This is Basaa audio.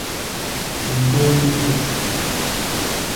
Lindôñ li bôt.